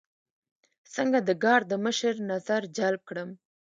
څنګه د ګارد د مشر نظر جلب کړم.